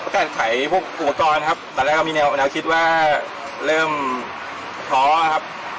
การขายพวกอุปกรณ์ครับตอนแรกเรามีแนวคิดว่าเริ่มท้อครับ